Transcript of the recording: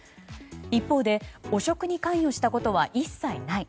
一方で、汚職に関与したことは一切ない。